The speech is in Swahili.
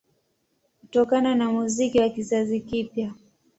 Kutokana na muziki wa kizazi kipya